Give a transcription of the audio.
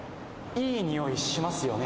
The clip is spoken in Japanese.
いいにおいしますよね？